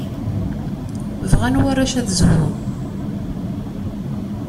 Bɣan warrac ad zhun.